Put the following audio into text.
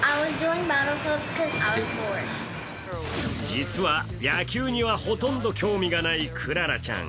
実は、野球にはほとんど興味がないクララちゃん。